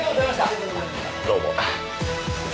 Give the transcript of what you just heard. どうも。